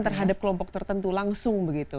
terhadap kelompok tertentu langsung begitu